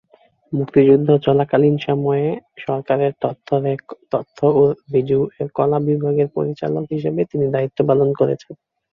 মুক্তিযুদ্ধ চলাকালীন সময়ে বাংলাদেশ সরকারের তথ্য ও রেডিও- এর কলা বিভাগের পরিচালক হিসেবে তিনি দায়িত্ব পালন করেছেন।